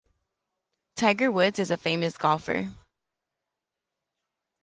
Tiger Woods is a famous golfer.